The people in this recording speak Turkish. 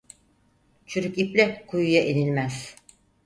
Çürük iple kuyuya inilmez.